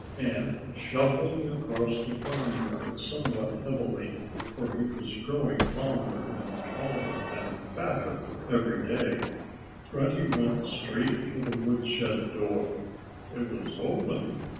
And shuffling across the farmyard somewhat heavily for he was growing longer and taller and fatter every day Grunty went straight to the woodshed door. It was open.